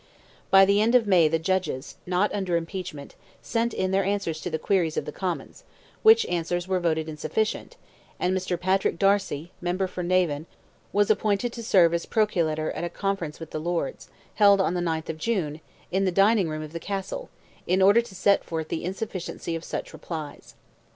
By the end of May the Judges, not under impeachment, sent in their answers to the Queries of the Commons, which answers were voted insufficient, and Mr. Patrick Darcy, Member for Navan, was appointed to serve as Proculator at a Conference with the Lords, held on the 9th of June, "in the dining room of the Castle," in order to set forth the insufficiency of such replies.